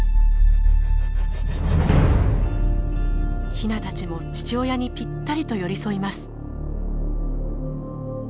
ヒナたちも父親にぴったりと寄り添います。